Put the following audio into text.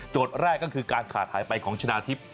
แรกก็คือการขาดหายไปของชนะทิพย์